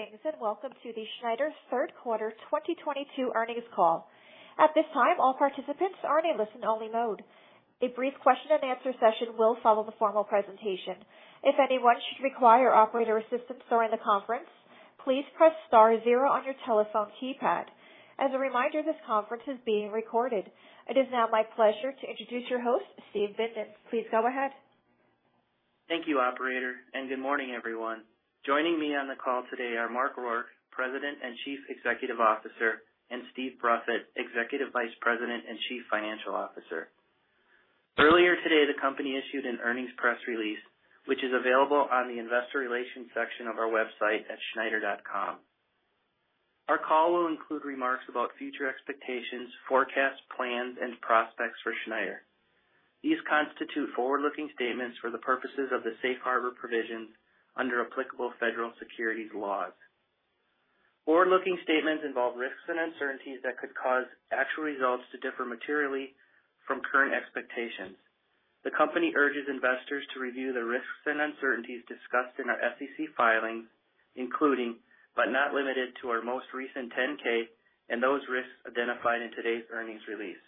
Greetings, and welcome to the Schneider's Q3 2022 Earnings Call. At this time, all participants are in a listen-only mode. A brief question-and-answer session will follow the formal presentation. If anyone should require operator assistance during the conference, please press star zero on your telephone keypad. As a reminder, this conference is being recorded. It is now my pleasure to introduce your host, Steve Bindas. Please go ahead. Thank you, operator, and good morning, everyone. Joining me on the call today are Mark Rourke, President and Chief Executive Officer, and Steve Bruffett, Executive Vice President and Chief Financial Officer. Earlier today, the company issued an earnings press release, which is available on the investor relations section of our website at schneider.com. Our call will include remarks about future expectations, forecasts, plans, and prospects for Schneider. These constitute forward-looking statements for the purposes of the safe harbor provisions under applicable federal securities laws. Forward-looking statements involve risks and uncertainties that could cause actual results to differ materially from current expectations. The company urges investors to review the risks and uncertainties discussed in our SEC filings, including, but not limited to, our most recent 10-K and those risks identified in today's earnings release.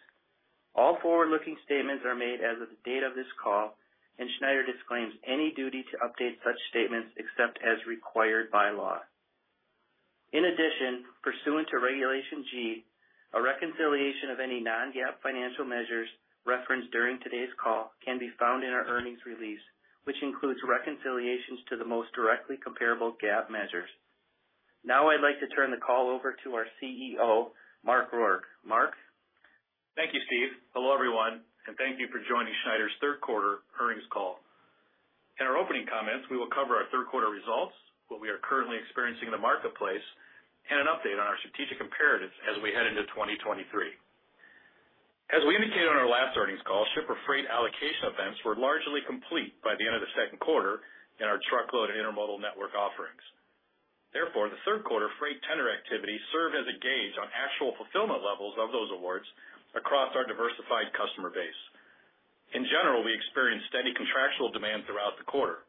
All forward-looking statements are made as of the date of this call, and Schneider disclaims any duty to update such statements except as required by law. In addition, pursuant to Regulation G, a reconciliation of any non-GAAP financial measures referenced during today's call can be found in our earnings release, which includes reconciliations to the most directly comparable GAAP measures. Now, I'd like to turn the call over to our CEO, Mark Rourke. Mark? Thank you, Steve. Hello, everyone, and thank you for joining Schneider's Q3 earnings call. In our opening comments, we will cover our Q3 results, what we are currently experiencing in the marketplace, and an update on our strategic imperatives as we head into 2023. As we indicated on our last earnings call, shipper freight allocation events were largely complete by the end of the Q2 in our truckload and intermodal network offerings. Therefore, the Q3 freight tender activity served as a gauge on actual fulfillment levels of those awards across our diversified customer base. In general, we experienced steady contractual demand throughout the quarter.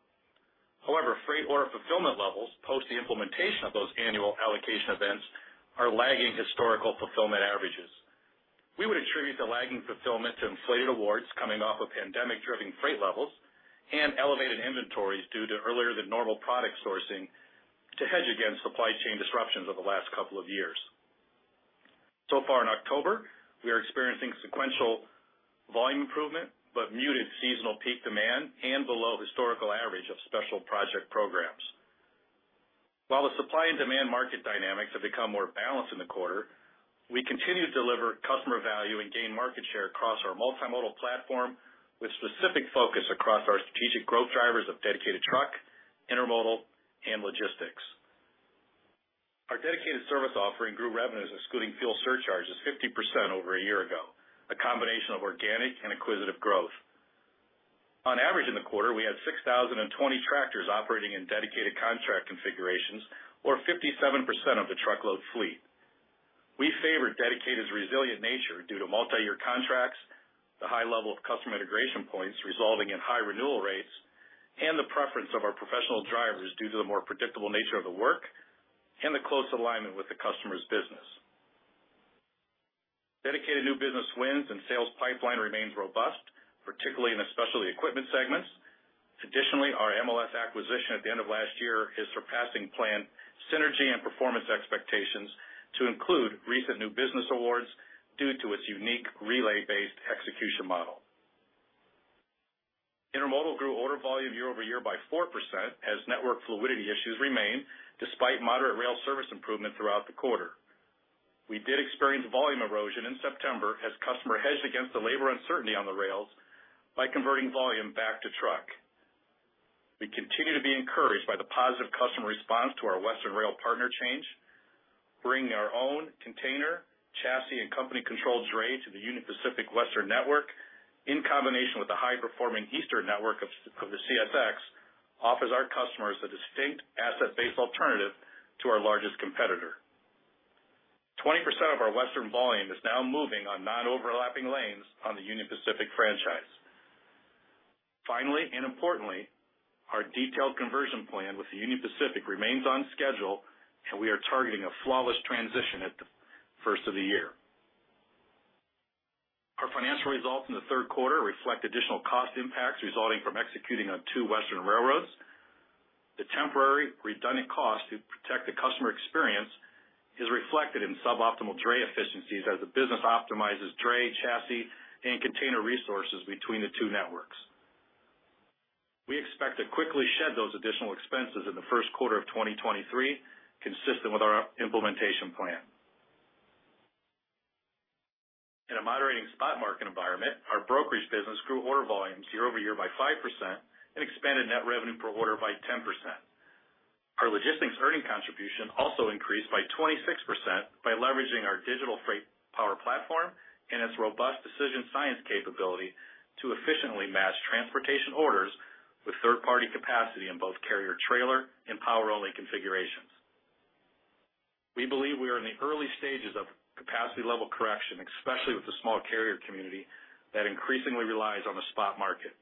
However, freight order fulfillment levels post the implementation of those annual allocation events are lagging historical fulfillment averages. We would attribute the lagging fulfillment to inflated awards coming off of pandemic-driven freight levels and elevated inventories due to earlier than normal product sourcing to hedge against supply chain disruptions over the last couple of years. So far in October, we are experiencing sequential volume improvement, but muted seasonal peak demand and below historical average of special project programs. While the supply and demand market dynamics have become more balanced in the quarter, we continue to deliver customer value and gain market share across our multimodal platform with specific focus across our strategic growth drivers of dedicated truck, intermodal, and logistics. Our dedicated service offering grew revenues excluding fuel surcharges 50% over a year ago, a combination of organic and acquisitive growth. On average in the quarter, we had 6,020 tractors operating in dedicated contract configurations or 57% of the truckload fleet. We favor Dedicated's resilient nature due to multi-year contracts, the high level of customer integration points resulting in high renewal rates, and the preference of our professional drivers due to the more predictable nature of the work and the close alignment with the customer's business. Dedicated new business wins and sales pipeline remains robust, particularly in the specialty equipment segments. Additionally, our MLS acquisition at the end of last year is surpassing planned synergy and performance expectations to include recent new business awards due to its unique relay-based execution model. Intermodal grew order volume year-over-year by 4% as network fluidity issues remain despite moderate rail service improvement throughout the quarter. We did experience volume erosion in September as customer hedged against the labor uncertainty on the rails by converting volume back to truck. We continue to be encouraged by the positive customer response to our Western Rail partner change, bringing our own container, chassis, and company-controlled dray to the Union Pacific Western network in combination with the high-performing Eastern network of the CSX offers our customers a distinct asset-based alternative to our largest competitor. 20% of our Western volume is now moving on non-overlapping lanes on the Union Pacific franchise. Finally, and importantly, our detailed conversion plan with the Union Pacific remains on schedule, and we are targeting a flawless transition at the first of the year. Our financial results in the Q3 reflect additional cost impacts resulting from executing on two Western railroads. The temporary redundant cost to protect the customer experience is reflected in suboptimal dray efficiencies as the business optimizes dray, chassis, and container resources between the two networks. We expect to quickly shed those additional expenses in the Q1 of 2023, consistent with our implementation plan. In a moderating spot market environment, our brokerage business grew order volumes year-over-year by 5% and expanded net revenue per order by 10%. Our logistics earning contribution also increased by 26% by leveraging our digital FreightPower platform and its robust decision science capability to efficiently match transportation orders with third-party capacity in both carrier-trailer and Power-Only configurations. We believe we are in the early stages of capacity level correction, especially with the small carrier community that increasingly relies on the spot market.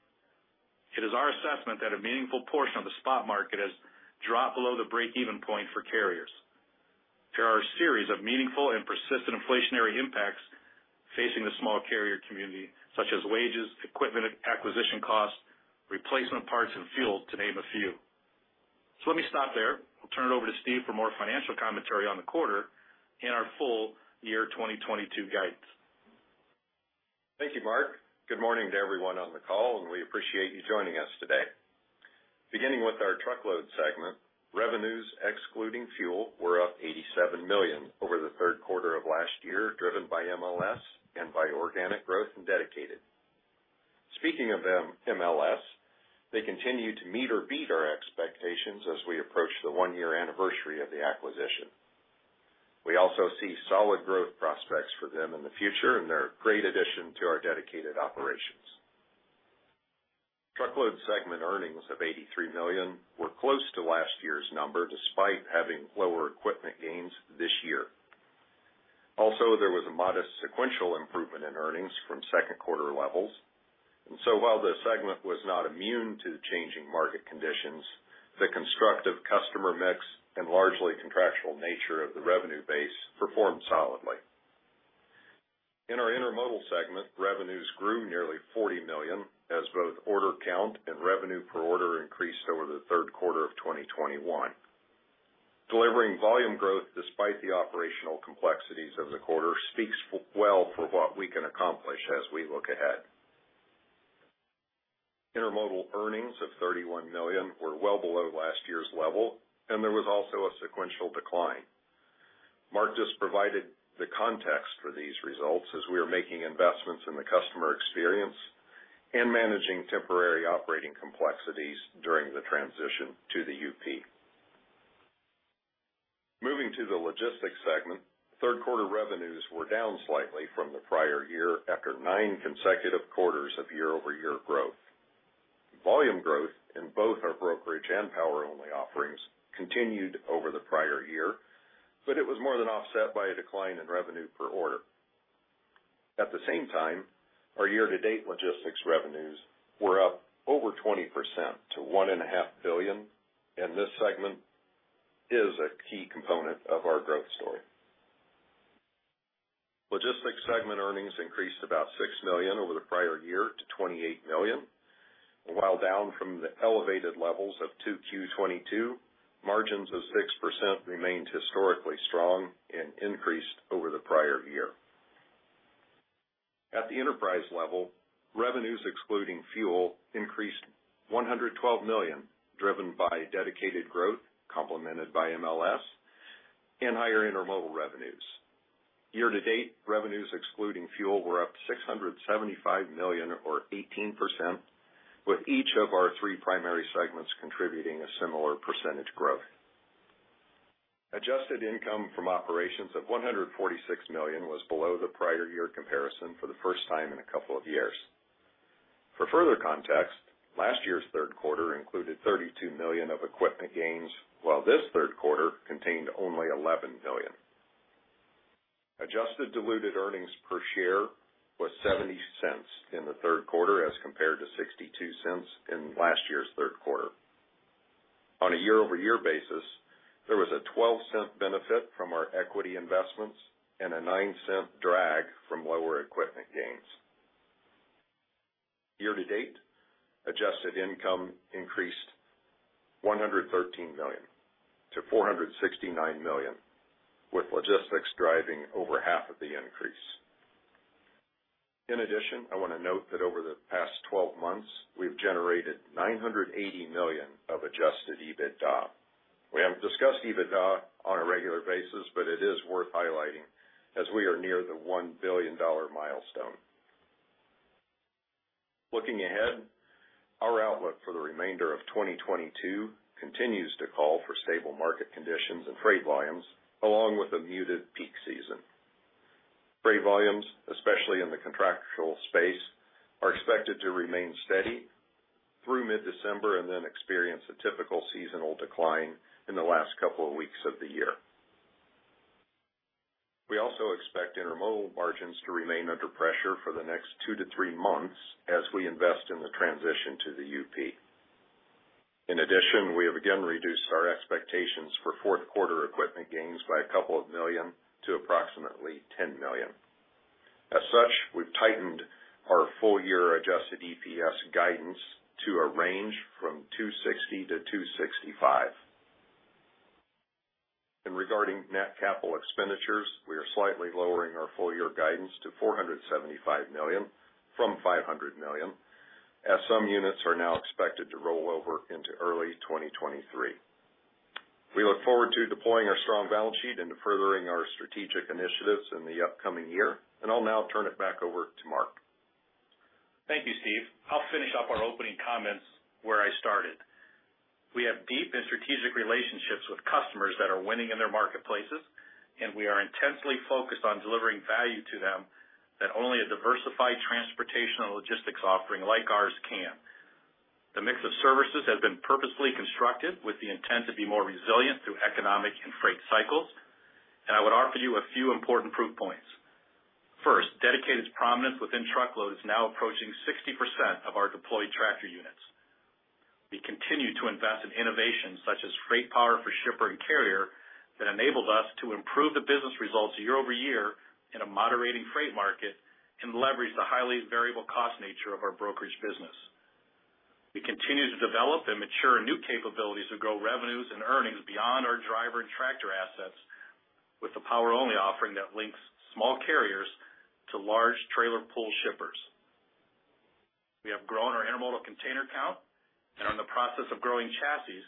It is our assessment that a meaningful portion of the spot market has dropped below the break-even point for carriers. There are a series of meaningful and persistent inflationary impacts facing the small carrier community, such as wages, equipment acquisition costs, replacement parts and fuel, to name a few. Let me stop there. I'll turn it over to Steve for more financial commentary on the quarter and our full-year 2022 guidance. Thank you, Mark. Good morning to everyone on the call, and we appreciate you joining us today. Beginning with our truckload segment, revenues excluding fuel were up $87 million over the Q3 of last year, driven by MLS and by organic growth and dedicated. Speaking of MLS, they continue to meet or beat our expectations as we approach the one-year anniversary of the acquisition. We also see solid growth prospects for them in the future, and they're a great addition to our dedicated operations. Truckload segment earnings of $83 million were close to last year's number, despite having lower equipment gains this year. Also, there was a modest sequential improvement in earnings from Q2 levels. While the segment was not immune to the changing market conditions, the constructive customer mix and largely contractual nature of the revenue base performed solidly. In our intermodal segment, revenues grew nearly $40 million, as both order count and revenue per order increased over the Q3 of 2021. Delivering volume growth despite the operational complexities of the quarter speaks well for what we can accomplish as we look ahead. Intermodal earnings of $31 million were well below last year's level, and there was also a sequential decline. Mark just provided the context for these results as we are making investments in the customer experience and managing temporary operating complexities during the transition to the UP. Moving to the logistics segment, Q3 revenues were down slightly from the prior year after nine consecutive quarters of year-over-year growth. Volume growth in both our brokerage and Power-Only offerings continued over the prior year, but it was more than offset by a decline in revenue per order. At the same time, our year-to-date logistics revenues were up over 20% to $1.5 billion, and this segment is a key component of our growth story. Logistics segment earnings increased about $6 million over the prior year to $28 million, while down from the elevated levels of 2Q 2022, margins of 6% remained historically strong and increased over the prior year. At the enterprise level, revenues excluding fuel increased $112 million, driven by dedicated growth, complemented by MLS and higher intermodal revenues. Year-to-date, revenues excluding fuel were up $675 million or 18%, with each of our three primary segments contributing a similar percentage growth. Adjusted income from operations of $146 million was below the prior year comparison for the first time in a couple of years. For further context, last year's Q3 included $32 million of equipment gains, while this Q3 contained only $11 million. Adjusted diluted earnings per share was $0.70 in the Q3, as compared to $0.62 in last year's Q3. On a year-over-year basis, there was a $0.12 benefit from our equity investments and a $0.09 drag from lower equipment gains. Year-to-date, adjusted income increased $113 million to $469 million, with logistics driving over half of the increase. In addition, I wanna note that over the past 12 months, we've generated $980 million of adjusted EBITDA. We haven't discussed EBITDA on a regular basis, but it is worth highlighting as we are near the $1 billion milestone. Looking ahead, our outlook for the remainder of 2022 continues to call for stable market conditions and freight volumes, along with a muted peak season. Freight volumes, especially in the contractual space, are expected to remain steady through mid-December and then experience a typical seasonal decline in the last couple of weeks of the year. We also expect intermodal margins to remain under pressure for the next two to three months as we invest in the transition to the UP. In addition, we have again reduced our expectations for Q4 equipment gains by $2 million to approximately $10 million. As such, we've tightened our full-year Adjusted EPS guidance to $2.60-$2.65. Regarding net capital expenditures, we are slightly lowering our full-year guidance to $475 million from $500 million, as some units are now expected to roll over into early 2023. We look forward to deploying our strong balance sheet into furthering our strategic initiatives in the upcoming year. I'll now turn it back over to Mark. Thank you, Steve. I'll finish up our opening comments where I started. We have deep and strategic relationships with customers that are winning in their marketplaces, and we are intensely focused on delivering value to them that only a diversified transportation and logistics offering like ours can. The mix of services has been purposefully constructed with the intent to be more resilient through economic and freight cycles. I would offer you a few important proof points. First, Dedicated's prominence within truckload is now approaching 60% of our deployed tractor units. We continue to invest in innovations such as FreightPower for shipper and carrier that enables us to improve the business results year-over-year in a moderating freight market and leverage the highly variable cost nature of our brokerage business. We continue to develop and mature new capabilities to grow revenues and earnings beyond our driver and tractor assets with the Power-Only offering that links small carriers to large trailer pool shippers. We have grown our Intermodal container count and are in the process of growing chassis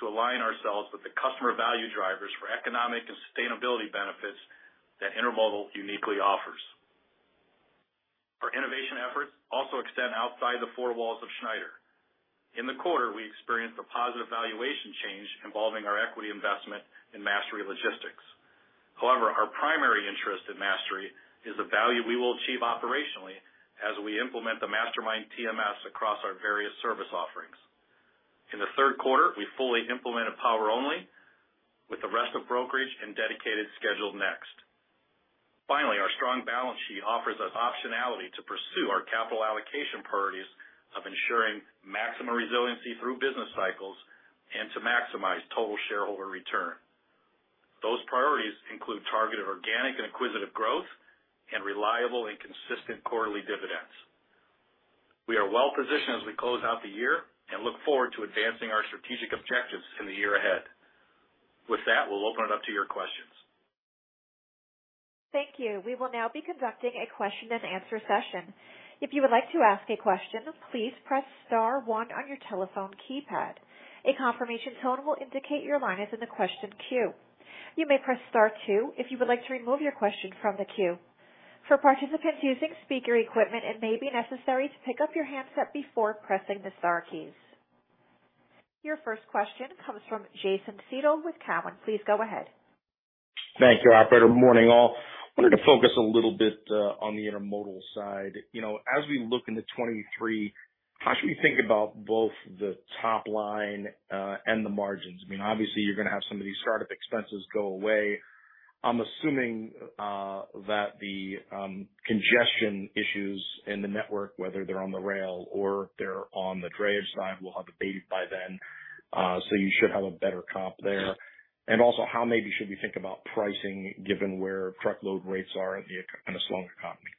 to align ourselves with the customer value drivers for economic and sustainability benefits that Intermodal uniquely offers. Our innovation efforts also extend outside the four walls of Schneider. In the quarter, we experienced a positive valuation change involving our equity investment in Mastery Logistics. However, our primary interest in Mastery is the value we will achieve operationally as we implement the MasterMind TMS across our various service offerings. In the Q3, we fully implemented Power-Only with the rest of brokerage and dedicated schedule next. Finally, our strong balance sheet offers us optionality to pursue our capital allocation priorities of ensuring maximum resiliency through business cycles and to maximize total shareholder return. Those priorities include targeted organic and inquisitive growth and reliable and consistent quarterly dividends. We are well positioned as we close out the year and look forward to advancing our strategic objectives in the year ahead. With that, we'll open it up to your questions. Thank you. We will now be conducting a question and answer session. If you would like to ask a question, please press star one on your telephone keypad. A confirmation tone will indicate your line is in the question queue. You may press star two if you would like to remove your question from the queue. For participants using speaker equipment, it may be necessary to pick up your handset before pressing the star keys. Your first question comes from Jason Seidl with Cowen. Please go ahead. Thank you, operator. Morning, all. I wanted to focus a little bit on the intermodal side. You know, as we look into 2023, how should we think about both the top line and the margins? I mean, obviously, you're gonna have some of these startup expenses go away. I'm assuming that the congestion issues in the network, whether they're on the rail or they're on the drayage side, will have abated by then, so you should have a better comp there. Also, how maybe should we think about pricing given where truckload rates are in a slower economy?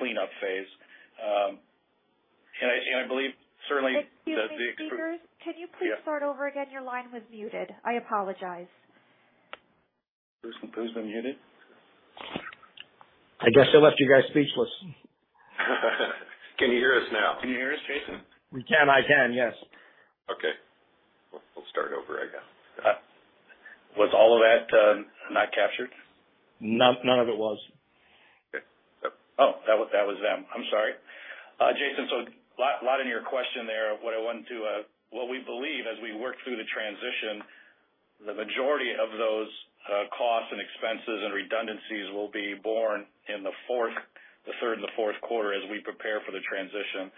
Hello? Cleanup phase. I believe certainly that the exp- Excuse me, speakers. Yeah. Can you please start over again? Your line was muted. I apologize. Who's been muted? I guess I left you guys speechless. Can you hear us now? Can you hear us, Jason? We can. I can, yes. Okay. We'll start over, I guess. Was all of that not captured? None, none of it was. Okay. Oh, that was them. I'm sorry. Jason Seidl, so a lot in your question there. What we believe as we work through the transition, the majority of those costs and expenses and redundancies will be borne in the third and Q4 as we prepare for the transition.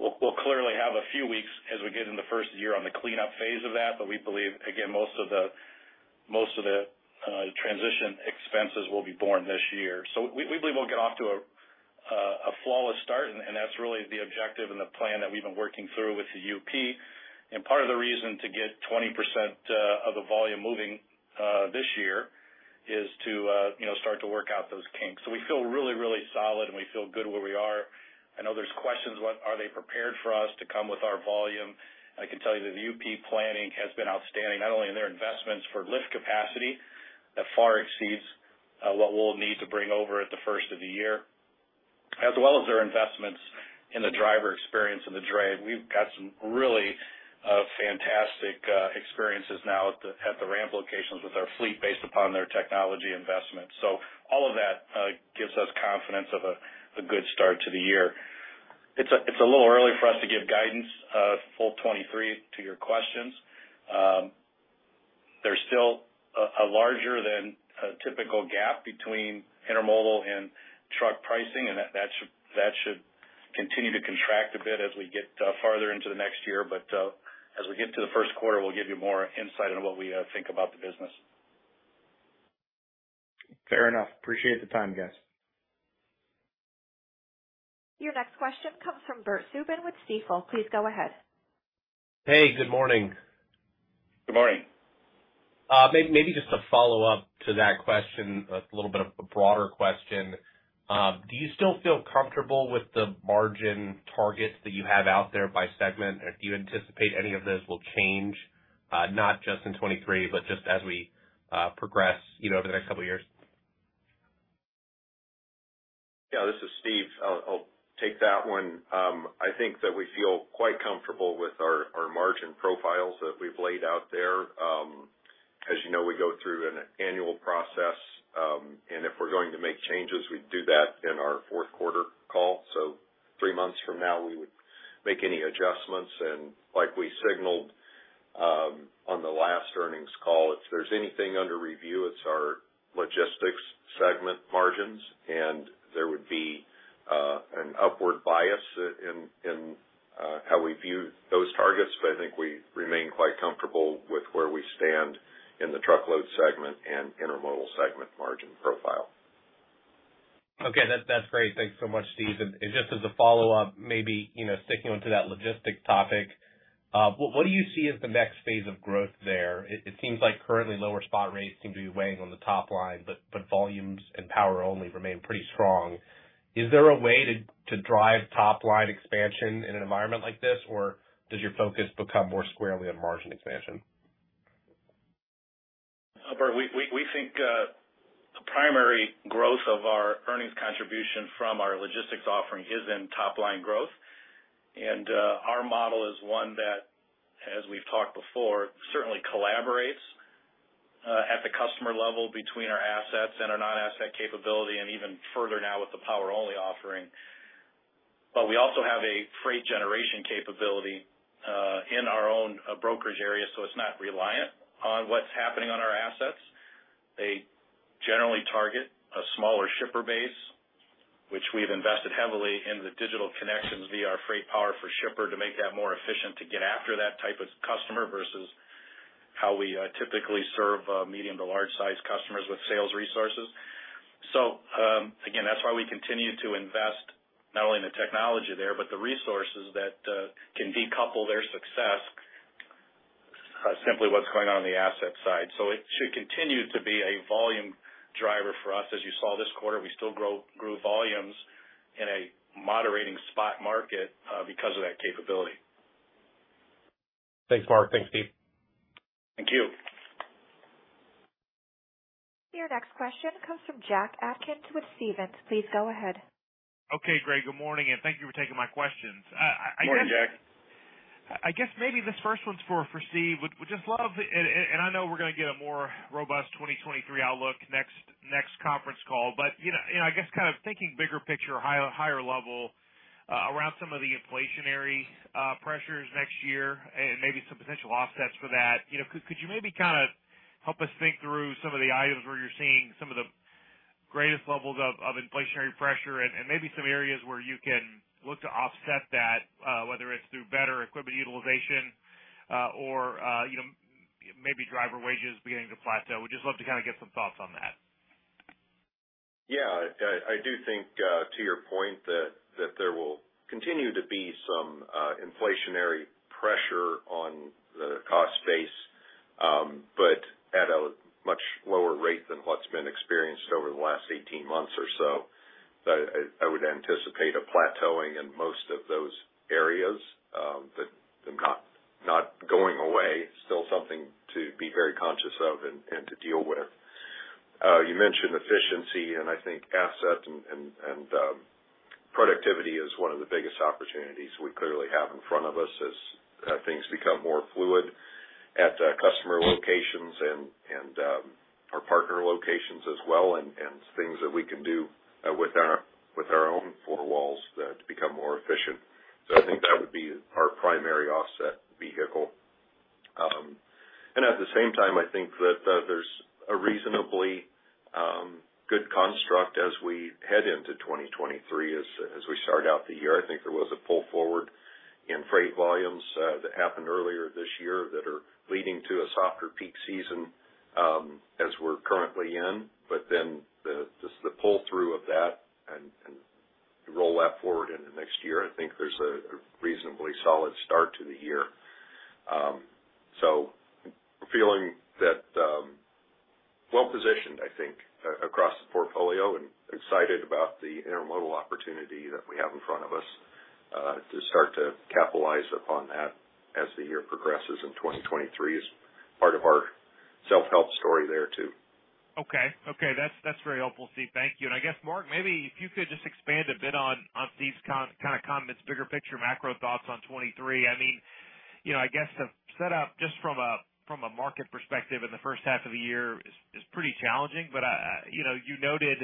We'll clearly have a few weeks as we get in the first year on the cleanup phase of that, but we believe, again, most of the transition expenses will be borne this year. We believe we'll get off to a flawless start, and that's really the objective and the plan that we've been working through with the UP. Part of the reason to get 20% of the volume moving this year is to, you know, start to work out those kinks. We feel really, really solid, and we feel good where we are. I know there's questions, what are they prepared for us to come with our volume? I can tell you that the UP planning has been outstanding, not only in their investments for lift capacity that far exceeds what we'll need to bring over at the first of the year, as well as their investments in the driver experience and the dray. We've got some really fantastic experiences now at the ramp locations with our fleet based upon their technology investments. All of that gives us confidence of a good start to the year. It's a little early for us to give guidance full 2023 to your questions. There's still a larger than typical gap between intermodal and truck pricing, and that should continue to contract a bit as we get farther into the next year. As we get to the Q1, we'll give you more insight on what we think about the business. Fair enough. Appreciate the time, guys. Your next question comes from Bert Subin with Stifel. Please go ahead. Hey, good morning. Good morning. Maybe just to follow up to that question, a little bit of a broader question. Do you still feel comfortable with the margin targets that you have out there by segment? Do you anticipate any of those will change, not just in 2023, but just as we progress, you know, over the next couple of years? Steve, I'll take that one. I think that we feel quite comfortable with our margin profiles that we've laid out there. As you know, we go through an annual process, and if we're going to make changes, we'd do that in our Q4 call. Three months from now, we would make any adjustments. Like we signaled on the last earnings call, if there's anything under review, it's our logistics segment margins, and there would be an upward bias in how we view those targets. I think we remain quite comfortable with where we stand in the truckload segment and intermodal segment margin profile. Okay. That's great. Thanks so much, Steve. Just as a follow-up, maybe, you know, sticking onto that logistics topic, what do you see as the next phase of growth there? It seems like currently lower spot rates seem to be weighing on the top line, but volumes and Power-Only remain pretty strong. Is there a way to drive top line expansion in an environment like this, or does your focus become more squarely on margin expansion? Bert, we think the primary growth of our earnings contribution from our logistics offering is in top line growth. Our model is one that, as we've talked before, certainly collaborates at the customer level between our assets and our non-asset capability and even further now with the power-only offering. We also have a freight generation capability in our own brokerage area, so it's not reliant on what's happening on our assets. They generally target a smaller shipper base, which we've invested heavily in the digital connections via our FreightPower for shipper to make that more efficient, to get after that type of customer versus how we typically serve medium to large size customers with sales resources. Again, that's why we continue to invest not only in the technology there, but the resources that can decouple their success, simply what's going on in the asset side. It should continue to be a volume driver for us. As you saw this quarter, we still grew volumes in a moderating spot market, because of that capability. Thanks, Mark. Thanks, Steve. Thank you. Your next question comes from Jack Atkins with Stephens. Please go ahead. Okay, great. Good morning and thank you for taking my questions. I guess- Morning, Jack. I guess maybe this first one's for Steve. Would just love and I know we're gonna get a more robust 2023 outlook next conference call. You know, and I guess kind of thinking bigger picture, higher level, around some of the inflationary pressures next year and maybe some potential offsets for that. You know, could you maybe kinda help us think through some of the items where you're seeing some of the greatest levels of inflationary pressure and maybe some areas where you can look to offset that, whether it's through better equipment utilization or you know, maybe driver wages beginning to plateau. Would just love to kinda get some thoughts on that. Yeah. I do think to your point that there will continue to be some inflationary pressure on the cost base, but at a much lower rate than what's been experienced over the last 18 months or so. I would anticipate a plateauing in most of those areas, that they're not going away, still something to be very conscious of and to deal with. You mentioned efficiency, and I think asset and productivity is one of the biggest opportunities we clearly have in front of us as things become more fluid at customer locations and our partner locations as well, and things that we can do with our own four walls to become more efficient. I think that would be our primary offset vehicle. At the same time, I think that there's a reasonably good construct as we head into 2023. As we start out the year, I think there was a pull forward in freight volumes that happened earlier this year that are leading to a softer peak season as we're currently in. Then just the pull through of that and roll that forward into next year, I think there's a reasonably solid start to the year. Feeling that well positioned, I think, across the portfolio and excited about the intermodal opportunity that we have in front of us to start to capitalize upon that as the year progresses in 2023 is part of our self-help story there too. Okay. That's very helpful, Steve. Thank you. I guess, Mark, maybe if you could just expand a bit on Steve's comments, kind of comments, bigger picture, macro thoughts in 2023. I mean, you know, I guess the setup just from a market perspective in the first half of the year is pretty challenging. You know, you noted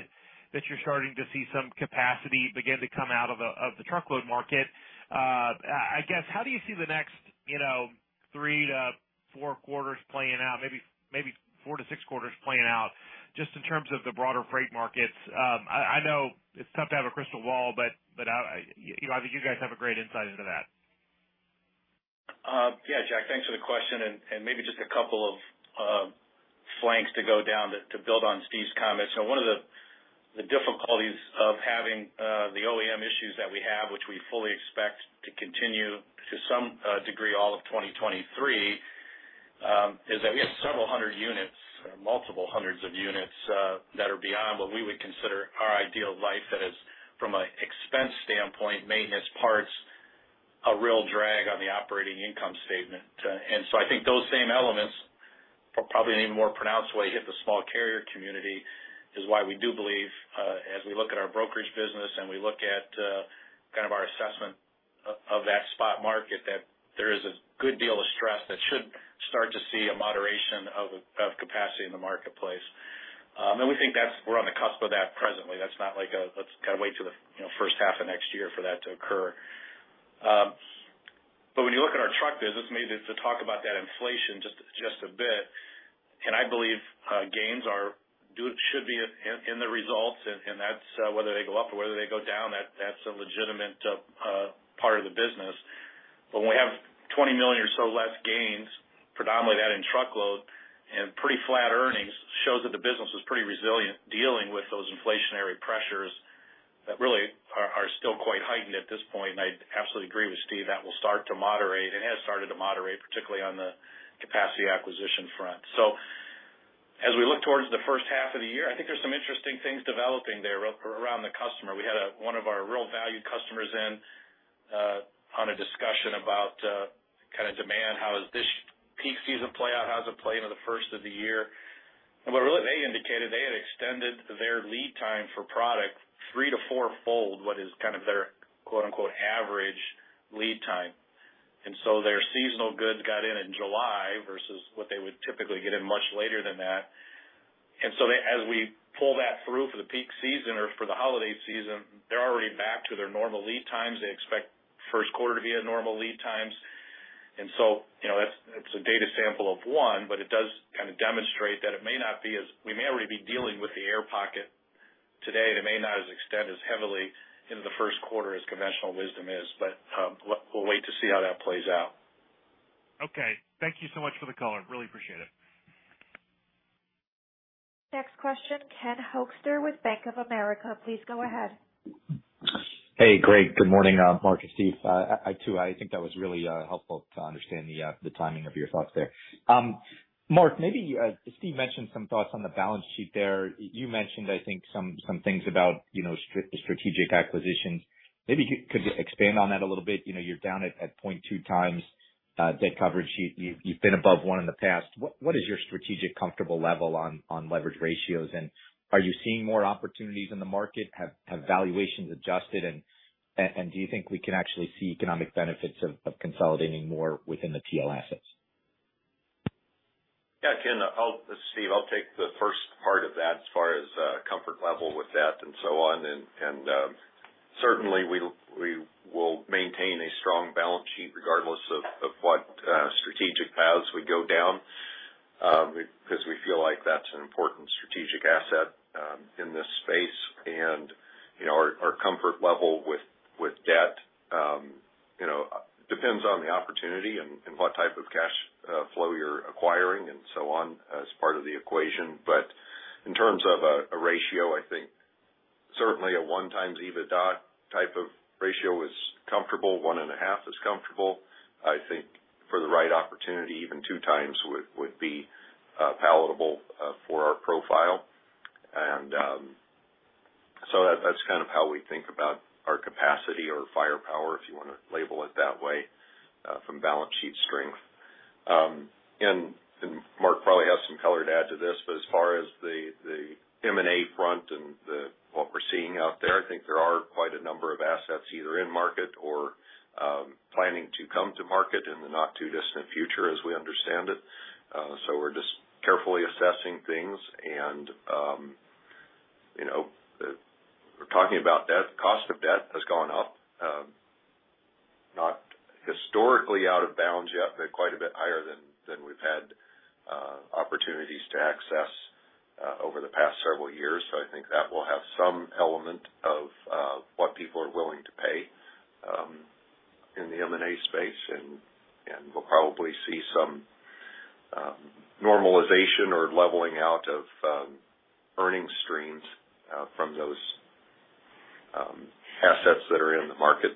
that you're starting to see some capacity begin to come out of the truckload market. I guess how do you see the next, you know, three to four quarters playing out, maybe four to six quarters playing out, just in terms of the broader freight markets? I know it's tough to have a crystal ball, but I, you know, I think you guys have a great insight into that. Yeah, Jack, thanks for the question. Maybe just a couple of angles to go into to build on Steve's comments. One of the difficulties of having the OEM issues that we have, which we fully expect to continue to some degree all of 2023, is that we have several hundred units or multiple hundreds of units that are beyond what we would consider our ideal life that is from an expense standpoint, maintenance parts. A real drag on the operating income statement. I think those same elements, probably in a more pronounced way, hit the small carrier community is why we do believe, as we look at our brokerage business and we look at, kind of our assessment of that spot market, that there is a good deal of stress that should start to see a moderation of capacity in the marketplace. We think that's, we're on the cusp of that presently. That's not like a, let's kind of wait till the, you know, first half of next year for that to occur. When you look at our truck business, maybe just to talk about that inflation just a bit, and I believe gains are due, should be in the results, and that's a legitimate part of the business. When we have $20 million or so less gains, predominantly that in truckload, and pretty flat earnings, shows that the business was pretty resilient dealing with those inflationary pressures that really are still quite heightened at this point. I absolutely agree with Steve that will start to moderate, it has started to moderate, particularly on the capacity acquisition front. As we look towards the first half of the year, I think there's some interesting things developing there around the customer. We had one of our really valued customers in on a discussion about kind of demand. How does this peak season play out? How does it play into the first of the year? Really, they indicated they had extended their lead time for product three to four-fold, what is kind of their quote-unquote, "average lead time." Their seasonal goods got in in July versus what they would typically get in much later than that. They, as we pull that through for the peak season or for the holiday season, they're already back to their normal lead times. They expect Q1 to be at normal lead times. You know, that's a data sample of 1, but it does kind of demonstrate that it may not be as... We may already be dealing with the air pocket today, and it may not extend as heavily into the Q1 as conventional wisdom is. We'll wait to see how that plays out. Okay. Thank you so much for the color. Really appreciate it. Next question, Ken Hoexter with Bank of America. Please go ahead. Hey, Great. Good morning, Mark and Steve. I too think that was really helpful to understand the timing of your thoughts there. Mark, maybe Steve mentioned some thoughts on the balance sheet there. You mentioned, I think, some things about, you know, strategic acquisitions. Maybe you could expand on that a little bit. You know, you're down at 0.2x debt coverage. You've been above one in the past. What is your strategic comfortable level on leverage ratios? And are you seeing more opportunities in the market? Have valuations adjusted? And do you think we can actually see economic benefits of consolidating more within the TL assets? Yeah, Ken, Steve, I'll take the first part of that as far as comfort level with that and so on. Certainly, we will maintain a strong balance sheet regardless of what strategic paths we go down, because we feel like that's an important strategic asset in this space. You know, our comfort level with debt you know depends on the opportunity and what type of cash flow you're acquiring and so on as part of the equation. But in terms of a ratio, I think certainly a 1x EBITDA type of ratio is comfortable. 1.5x is comfortable. I think for the right opportunity, even 2x would be palatable for our profile. That's kind of how we think about our capacity or firepower, if you wanna label it that way, from balance sheet strength. Mark probably has some color to add to this, but as far as the M&A front and what we're seeing out there, I think there are quite a number of assets either in market or planning to come to market in the not-too-distant future as we understand it. We're just carefully assessing things and, you know, we're talking about debt. Cost of debt has gone up, not historically out of bounds yet, but quite a bit higher than we've had opportunities to access over the past several years. I think that will have some element of what people are willing to pay in the M&A space. We'll probably see some normalization or leveling out of earnings streams from those assets that are in the market.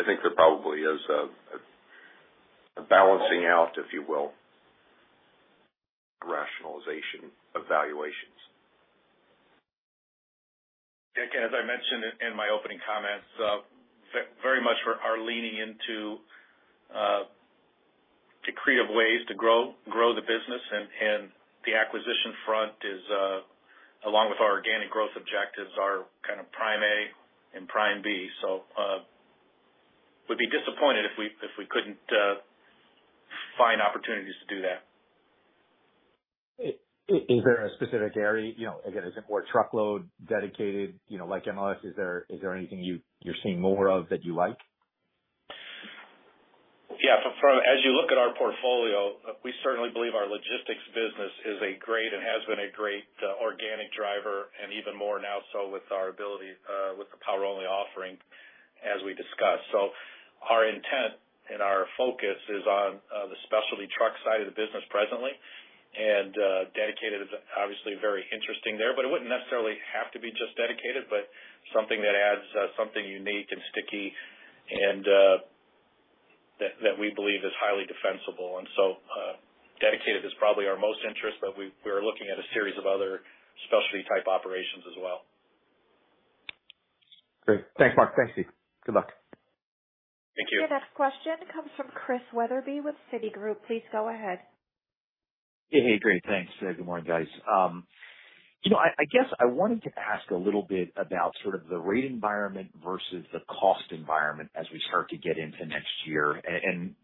I think there probably is a balancing out, if you will, a rationalization of valuations. Nick, as I mentioned in my opening comments, very much we're leaning into creative ways to grow the business. The acquisition front is along with our organic growth objectives are kind of prime A and prime B. We'd be disappointed if we couldn't find opportunities to do that. Is there a specific area? You know, again, is it more truckload, dedicated, you know, like MLS, is there anything you're seeing more of that you like? Yeah. From as you look at our portfolio, we certainly believe our logistics business is a great and has been a great organic driver and even more now so with our ability with the Power-Only offering, as we discussed. Our intent and our focus are on the specialty truck side of the business presently. Dedicated is obviously very interesting there, but it wouldn't necessarily have to be just Dedicated, but something that adds something unique and sticky and that we believe is highly defensible. Dedicated is probably our most interest, but we are looking at a series of other specialty type operations as well. Great. Thanks, Mark. Thanks, Steve. Good luck. Thank you. Your next question comes from Christian Wetherbee with Citigroup. Please go ahead. Hey. Great, thanks. Good morning, guys. You know, I guess I wanted to ask a little bit about sort of the rate environment versus the cost environment as we start to get into next year.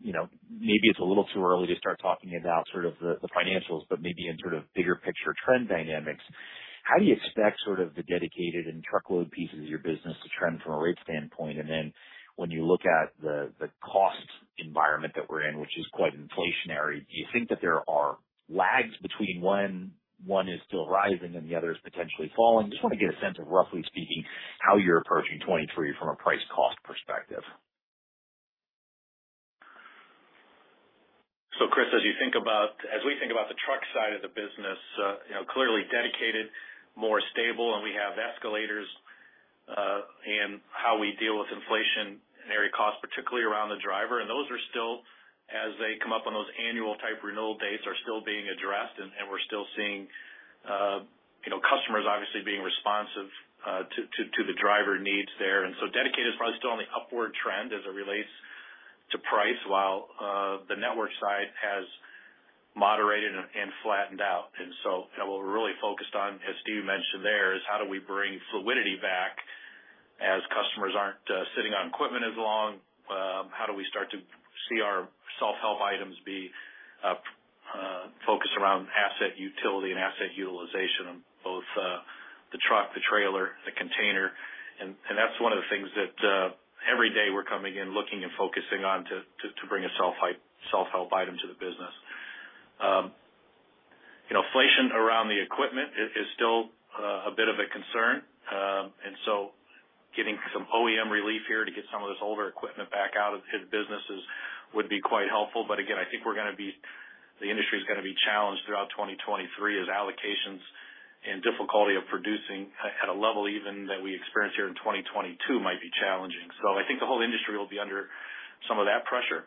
You know, maybe it's a little too early to start talking about sort of the financials, but maybe in sort of bigger picture trend dynamics, how do you expect sort of the dedicated and truckload pieces of your business to trend from a rate standpoint? Then when you look at the cost environment that we're in, which is quite inflationary, do you think that there are lags between when one is still rising and the other is potentially falling? Just wanna get a sense of, roughly speaking, how you're approaching 2023 from a price cost perspective. Chris, as we think about the truck side of the business, you know, clearly dedicated, more stable, and we have escalators in how we deal with inflationary costs, particularly around the driver. Those are still, as they come up on those annual type renewal dates, are still being addressed. We're still seeing, you know, customers obviously being responsive to the driver needs there. Dedicated is probably still on the upward trend as it relates to price, while the network side has moderated and flattened out. You know, what we're really focused on, as Steve mentioned there, is how do we bring fluidity back as customers aren't sitting on equipment as long? How do we start to see our self-help items be focused around asset utility and asset utilization on both the truck, the trailer, the container? That's one of the things that every day we're coming in looking and focusing on to bring a self-help item to the business. You know, inflation around the equipment is still a bit of a concern. Getting some OEM relief here to get some of this older equipment back out into businesses would be quite helpful. Again, I think the industry's gonna be challenged throughout 2023 as allocations and difficulty of producing at a level even that we experienced here in 2022 might be challenging. I think the whole industry will be under some of that pressure.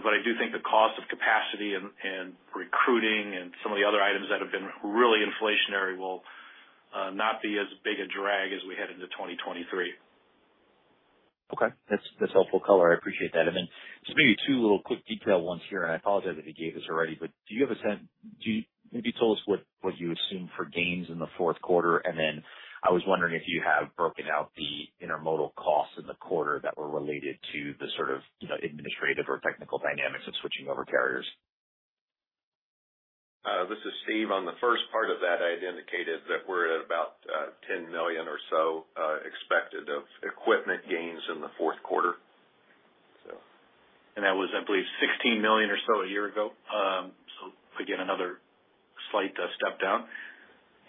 I do think the cost of capacity and recruiting and some of the other items that have been really inflationary will not be as big a drag as we head into 2023. Okay. That's helpful color. I appreciate that. Just maybe two little quick detail ones here. I apologize if you gave this already, but do you have a sense of what you assume for gains in the Q4. I was wondering if you have broken out the intermodal costs in the quarter that were related to the sort of, you know, administrative or technical dynamics of switching over carriers. This is Steve. On the first part of that, I had indicated that we're at about $10 million or so expected of equipment gains in the Q4. That was, I believe, $16 million or so a year ago. Again, another slight step down.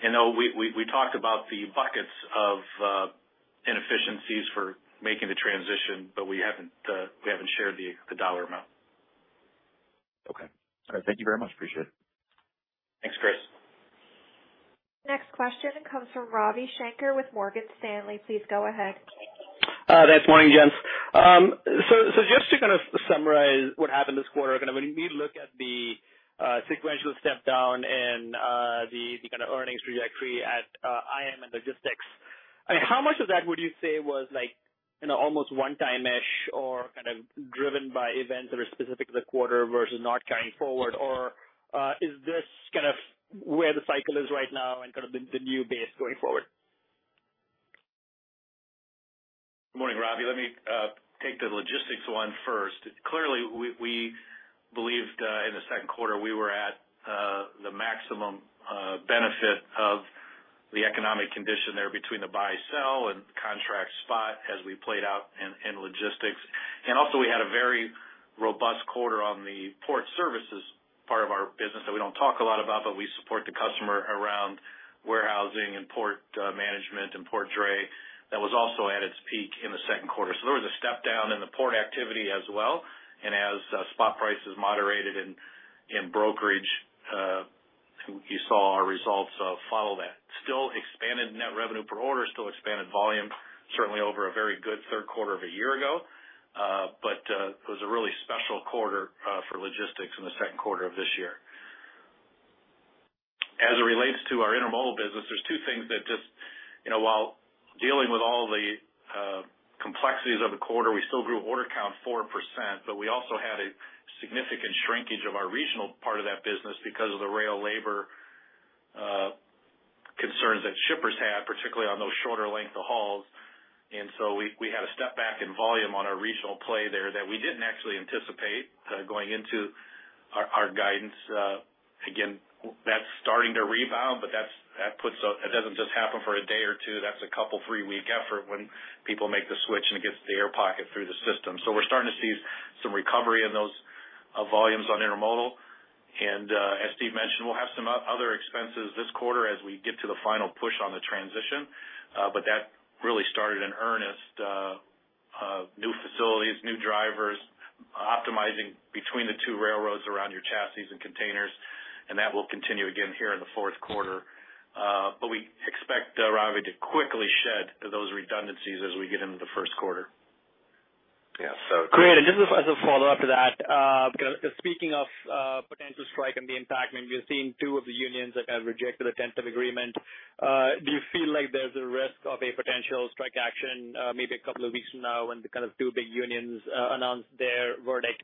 You know, we talked about the buckets of inefficiencies for making the transition, but we haven't shared the dollar amount. Okay. All right. Thank you very much. Appreciate it. Thanks, Chris. Next question comes from Ravi Shanker with Morgan Stanley. Please go ahead. Thanks. Morning, gents. So just to kind of summarize what happened this quarter, kind of when we look at the sequential step down and the kind of earnings trajectory at IM and logistics, I mean, how much of that would you say was like, you know, almost one-time-ish or kind of driven by events that are specific to the quarter versus not carrying forward? Or is this kind of where the cycle is right now and kind of the new base going forward? Good morning, Ravi. Let me take the logistics one first. Clearly, we believed in the Q2, we were at the maximum benefit of the economic condition there between the buy-sell and contract spot as we played out in logistics. Also we had a very robust quarter on the port services part of our business that we don't talk a lot about, but we support the customer around warehousing and port management and port dray that was also at its peak in the Q2. There was a step down in the port activity as well. As spot prices moderated in brokerage, you saw our results follow that. Still expanded net revenue per order, still expanded volume, certainly over a very good Q3 of a year ago. It was a really special quarter for logistics in the Q2 of this year. As it relates to our intermodal business, there's two things that just, you know, while dealing with all the complexities of the quarter, we still grew order count 4%, but we also had a significant shrinkage of our regional part of that business because of the rail labor concerns that shippers had, particularly on those shorter length of hauls. We had a step back in volume on our regional play there that we didn't actually anticipate going into our guidance. Again, that's starting to rebound, but that puts a. It doesn't just happen for a day or two. That's a couple three-week effort when people make the switch and it gets the air pocket through the system. We're starting to see some recovery in those volumes on intermodal. As Steve mentioned, we'll have some other expenses this quarter as we get to the final push on the transition. That really started in earnest. New facilities, new drivers, optimizing between the two railroads around your chassis and containers, and that will continue again here in the Q4. We expect, Ravi, to quickly shed those redundancies as we get into the first- Just as a follow-up to that, kind of speaking of, potential strike and the impact, I mean, we've seen two of the unions that have rejected a tentative agreement. Do you feel like there's a risk of a potential strike action, maybe a couple of weeks from now when the kind of two big unions announce their verdict?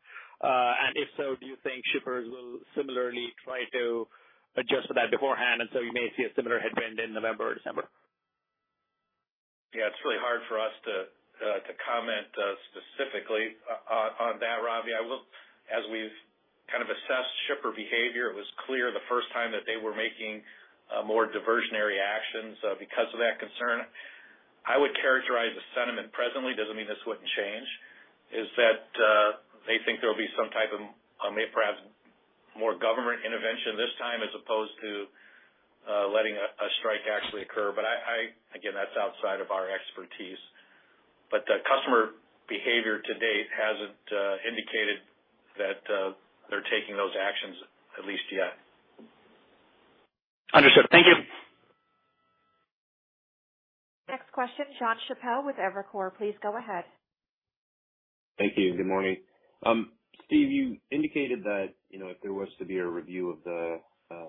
If so, do you think shippers will similarly try to adjust for that beforehand, and so you may see a similar headwind in November or December? Yeah, it's really hard for us to comment specifically on that, Ravi. As we've kind of assessed shipper behavior, it was clear the first time that they were making more diversionary actions because of that concern. I would characterize the sentiment presently, doesn't mean this wouldn't change, is that they think there'll be some type of perhaps more government intervention this time as opposed to letting a strike actually occur. I again, that's outside of our expertise. The customer behavior to date hasn't indicated that they're taking those actions, at least yet. Understood. Thank you. Next question, Jonathan Chappell with Evercore. Please go ahead. Thank you. Good morning. Steve, you indicated that, you know, if there was severe review of the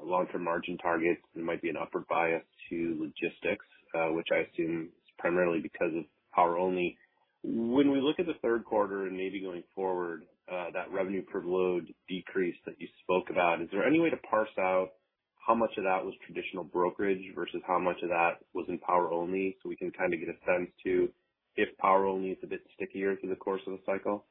long-term margin targets, there might be an upward bias to logistics, which I assume is primarily because of Power-Only. When we look at the Q3 and maybe going forward, that revenue per load decrease that you spoke about, is there any way to parse out how much of that was traditional brokerage versus how much of that was in Power-Only, so we can kind of get a sense to if Power-Only is a bit stickier through the course of the cycle?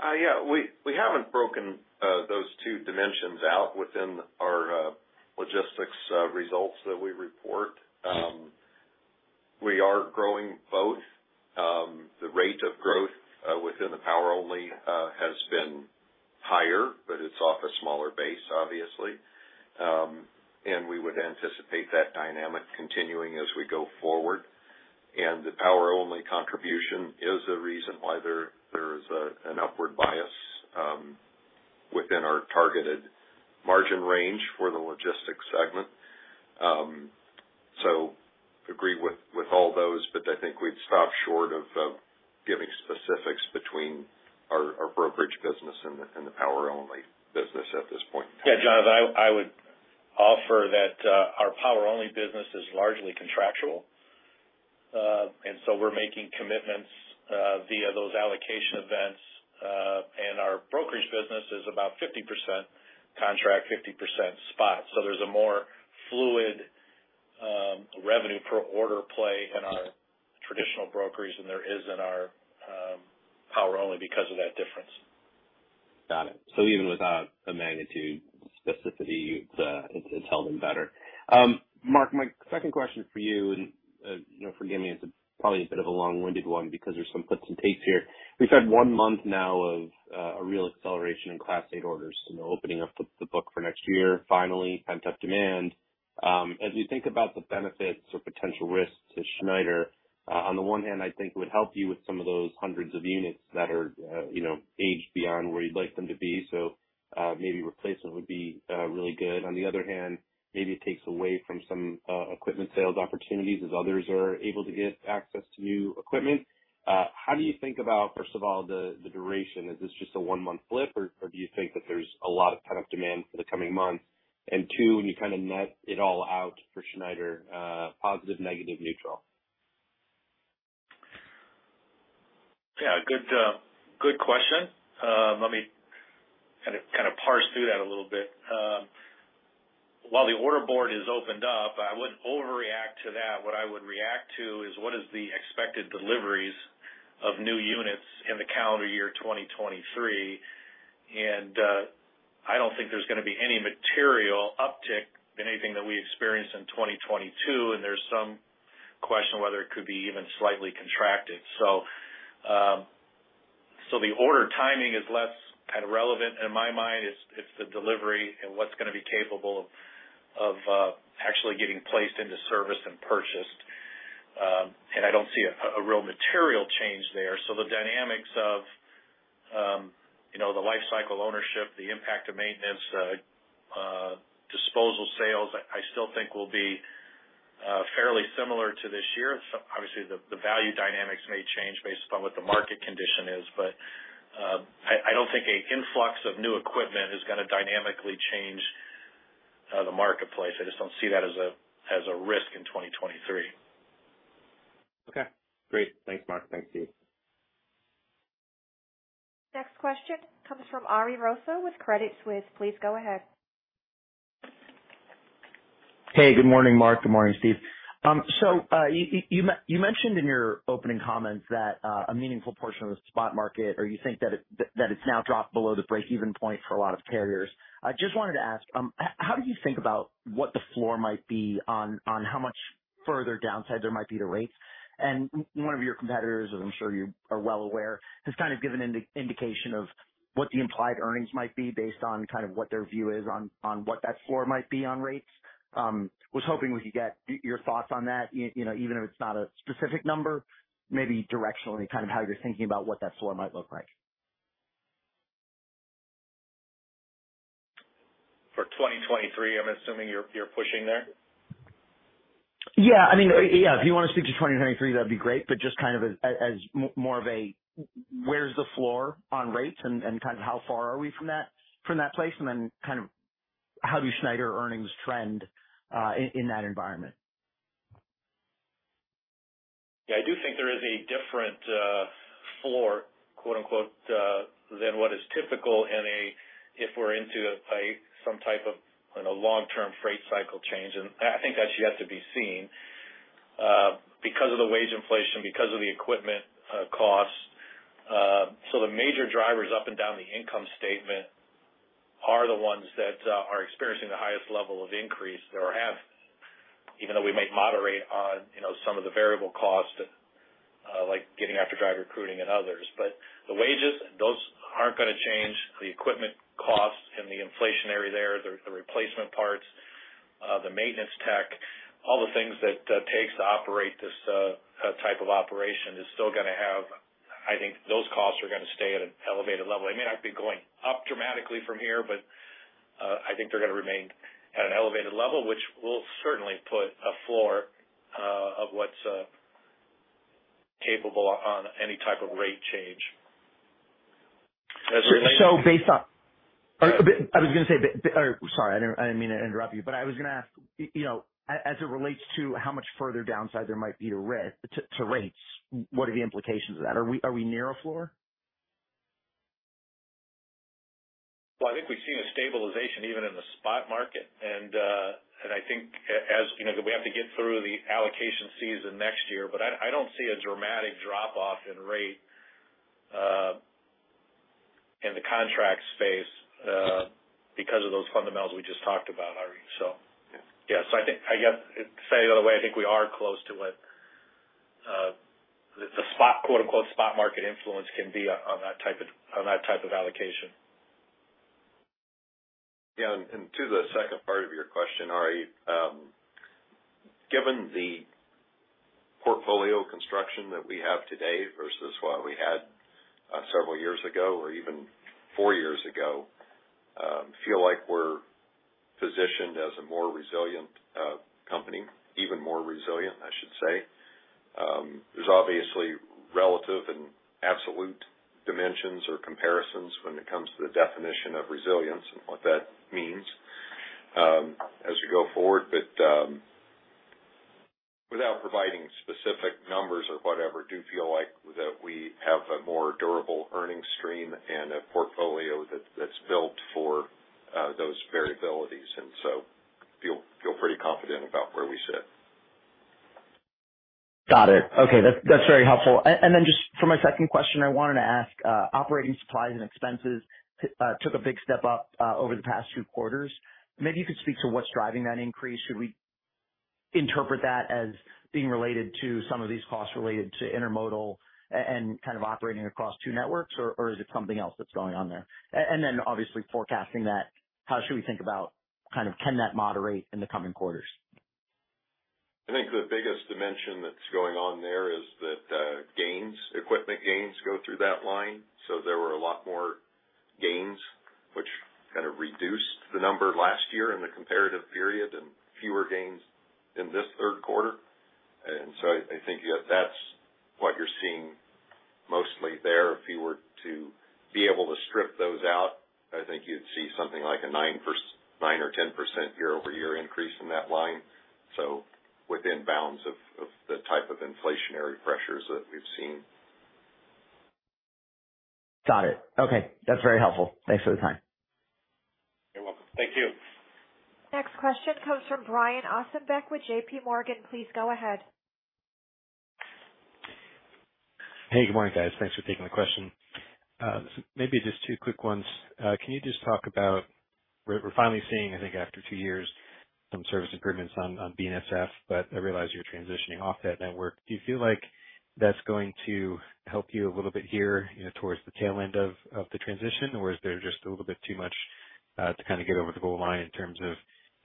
Yeah, we haven't broken those two dimensions out within our logistics results that we report. We are growing both. The rate of growth within the Power-Only has been higher, but it's off a smaller base, obviously. We would anticipate that dynamic continuing as we go forward. The Power-Only contribution is a reason why there is an upward bias within our targeted margin range for the logistics segment. I agree with all those, but I think we'd stop short of giving specifics between our brokerage business and the Power-Only business at this point in time. Yeah, Jon, I would offer that our Power-Only business is largely contractual. We're making commitments via those allocation events. Our brokerage business is about 50% contract, 50% spot. There's a more fluid revenue per order play in our traditional brokerage than there is in our Power-Only because of that difference. Got it. Even without a magnitude specificity, it's held in better. Mark, my second question is for you. You know, forgive me, it's probably a bit of a long-winded one because there's some puts and takes here. We've had one month now of a real acceleration in Class 8 orders, you know, opening up the book for next year, finally, pent-up demand. As you think about the benefits or potential risks to Schneider, on the one hand, I think it would help you with some of those hundreds of units that are, you know, aged beyond where you'd like them to be. Maybe replacement would be really good. On the other hand, maybe it takes away from some equipment sales opportunities as others are able to get access to new equipment. How do you think about, first of all, the duration? Is this just a one-month blip, or do you think that there's a lot of pent-up demand for the coming months? Two, when you kind of net it all out for Schneider, positive, negative, neutral? Yeah, good question. Let me kind of parse through that a little bit. While the order board is opened up, I wouldn't overreact to that. What I would react to is what is the expected deliveries of new units in the calendar year 2023. I don't think there's gonna be any material uptick than anything that we experienced in 2022, and there's some question whether it could be even slightly contracted. The order timing is less kind of relevant. In my mind it's the delivery and what's gonna be capable of actually getting placed into service and purchased. I don't see a real material change there. The dynamics of, you know, the life cycle ownership, the impact of maintenance, disposal sales, I still think will be fairly similar to this year. Obviously the value dynamics may change based upon what the market condition is, but I don't think a influx of new equipment is gonna dynamically change the marketplace. I just don't see that as a risk in 2023. Okay, great. Thanks, Mark. Thanks, Steve. Next question comes from Ari Rosa with Credit Suisse. Please go ahead. Hey, good morning, Mark. Good morning, Steve. You mentioned in your opening comments that a meaningful portion of the spot market that you think that it's now dropped below the break-even point for a lot of carriers. I just wanted to ask how do you think about what the floor might be on how much further downside there might be to rates? One of your competitors, as I'm sure you are well aware, has kind of given indication of what the implied earnings might be based on kind of what their view is on what that floor might be on rates. Was hoping we could get your thoughts on that you know, even if it's not a specific number, maybe directionally kind of how you're thinking about what that floor might look like. 2023, I'm assuming you're pushing there. Yeah. I mean, yeah, if you wanna speak to 2023, that'd be great, but just kind of as more of a where's the floor on rates and kind of how far are we from that place, and then kind of how do Schneider earnings trend in that environment? Yeah, I do think there is a different floor, quote-unquote, than what is typical if we're into some type of, you know, long-term freight cycle change. I think that she has to be seen because of the wage inflation, because of the equipment costs. The major drivers up and down the income statement are the ones that are experiencing the highest level of increase or have, even though we may moderate on, you know, some of the variable costs, like getting after driver recruiting and others. The wages, those aren't gonna change. The equipment costs and the inflationary there, the replacement parts, the maintenance tech, all the things that takes to operate this type of operation is still gonna have. I think those costs are gonna stay at an elevated level. They may not be going up dramatically from here, but I think they're gonna remain at an elevated level, which will certainly put a floor of what's capable on any type of rate change. As we- sorry, I didn't mean to interrupt you, but I was gonna ask, you know, as it relates to how much further downside there might be to rates, what are the implications of that? Are we near a floor? Well, I think we've seen a stabilization even in the spot market. I think as you know, we have to get through the allocation season next year. I don't see a dramatic drop-off in rate in the contract space because of those fundamentals we just talked about, Ari. Yeah. I think, I guess, say the other way, I think we are close to it. The spot, quote-unquote, spot market influence can be on that type of allocation. Yeah. To the second part of your question, Ari, given the portfolio construction that we have today versus what we had several years ago or even four years ago, feel like we're positioned as a more resilient company, even more resilient, I should say. There's obviously relative and absolute dimensions or comparisons when it comes to the definition of resilience and what that means, as we go forward. Without providing specific numbers or whatever, do feel like that we have a more durable earnings stream and a portfolio that's built for those variabilities, and so feel pretty confident about where we sit. Got it. Okay. That's very helpful. Then just for my second question I wanted to ask, operating supplies and expenses took a big step up over the past few quarters. Maybe you could speak to what's driving that increase. Should we interpret that as being related to some of these costs related to intermodal and kind of operating across two networks, or is it something else that's going on there? Then obviously forecasting that, how should we think about kind of can that moderate in the coming quarters? I think the biggest dimension that's going on there is that, gains, equipment gains go through that line. There were a lot more gains which kind of reduced the number last year in the comparative period and fewer gains in this Q3. I think, yeah, that's what you're seeing mostly there. If you were to be able to strip those out, I think you'd see something like a 9% or 10% year-over-year increase in that line. Within bounds of the type of inflationary pressures that we've seen. Got it. Okay. That's very helpful. Thanks for the time. You're welcome. Thank you. Next question comes from Brian Ossenbeck with JPMorgan. Please go ahead. Hey, good morning, guys. Thanks for taking the question. So maybe just two quick ones. Can you just talk about we're finally seeing, I think, after two years, some service improvements on BNSF, but I realize you're transitioning off that network. Do you feel like that's going to help you a little bit here, you know, towards the tail end of the transition? Or is there just a little bit too much to kind of get over the goal line in terms of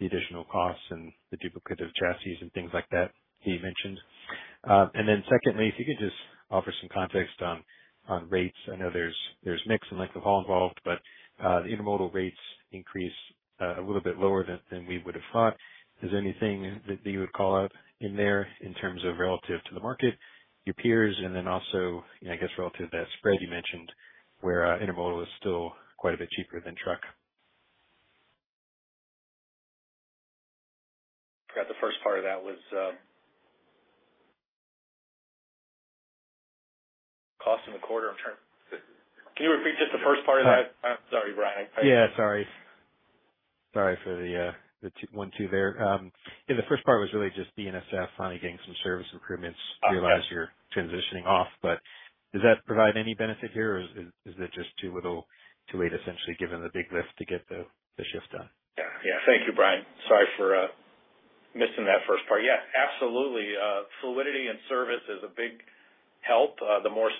the additional costs and the duplicate of chassis and things like that that you mentioned? Secondly, if you could just offer some context on rates. I know there's mix and length of haul involved, but the intermodal rates increase a little bit lower than we would have thought. Is there anything that you would call out in there in terms of relative to the market, your peers and then also, you know, I guess relative to that spread you mentioned where Intermodal is still quite a bit cheaper than truck? Forgot the first part of that was cost in the quarter interim. Can you repeat just the first part of that? Sorry. I'm sorry, Brian. Yeah, sorry. Sorry for the one, two there. Yeah, the first part was really just BNSF finally getting some service improvements. Okay. I realize you're transitioning off. Does that provide any benefit here, or is it just too little, too late, essentially, given the big lift to get the shift done? Yeah. Yeah. Thank you, Brian. Sorry for missing that first part. Yeah, absolutely. Fluidity and service is a big help. The more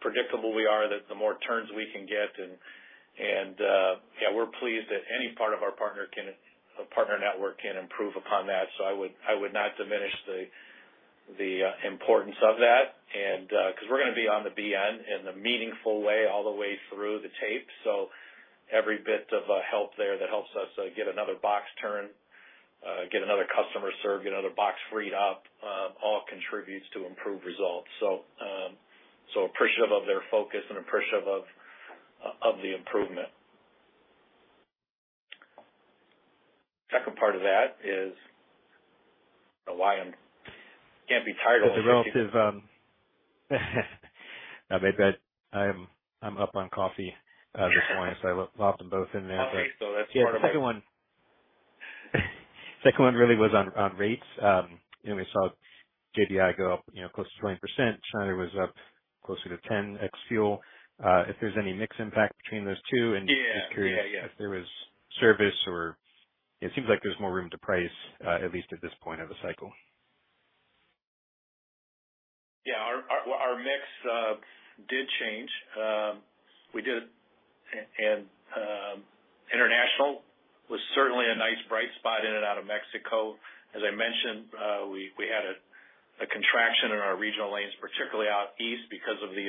predictable we are, the more turns we can get and yeah, we're pleased that any part of our partner network can improve upon that. I would not diminish the importance of that and 'cause we're gonna be on the BN in a meaningful way all the way through the tape, so every bit of help there that helps us get another box turned, get another customer served, get another box freed up, all contributes to improved results. Appreciative of their focus and appreciative of the improvement. Second part of that is the line can't be tied. The relative, now maybe I'm up on coffee this morning, so I lumped them both in there but. Okay. That's part of it. Yeah. Second one really was on rates. We saw J.B. Hunt go up, you know, close to 20%. Schneider was up closer to 10x fuel. If there's any mix impact between those two? Yeah. Just curious. Yeah, yeah. If there was service or it seems like there's more room to price, at least at this point of the cycle. Yeah. Our mix did change. We did it and international was certainly a nice bright spot in and out of Mexico. As I mentioned, we had a contraction in our regional lanes, particularly out east because of the